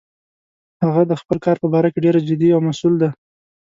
هغه د خپل کار په باره کې ډیر جدي او مسؤل ده